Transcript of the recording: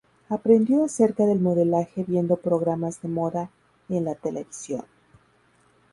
Aprendió acerca del modelaje viendo programas de moda en la televisión.